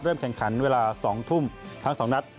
แข่งขันเวลา๒ทุ่มทั้ง๒นัด